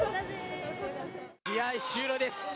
試合終了です。